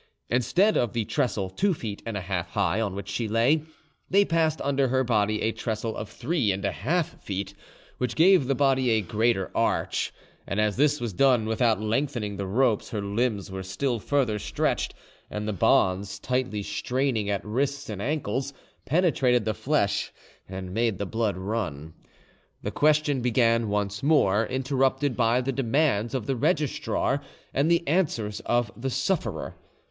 Instead of the trestle two feet and a half high on which she lay, they passed under her body a trestle of three and a half feet, which gave the body a greater arch, and as this was done without lengthening the ropes, her limbs were still further stretched, and the bonds, tightly straining at wrists and ankles, penetrated the flesh and made the blood run. The question began once more, interrupted by the demands of the registrar and the answers of the sufferer.